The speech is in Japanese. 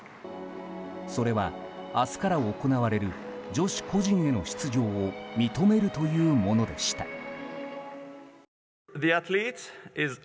それは明日から行われる女子個人への出場を認めるというものでした。